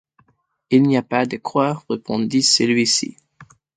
Il n’y a pas de quoi, répondit celui-ci.